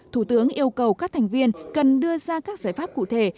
thủ tướng yêu cầu các thành viên cần đưa ra các giải pháp cụ thể